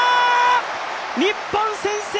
日本、先制！